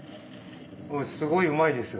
すごいうまいですよ